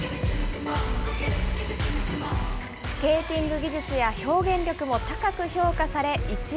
スケーティング技術や表現力も高く評価され、１位。